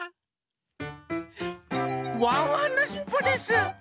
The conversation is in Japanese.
ワンワンのしっぽです！